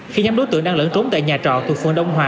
khi nhóm đối tượng đang lẫn trốn tại nhà trọ thuộc phường đông hòa